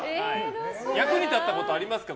役に立ったことありますか？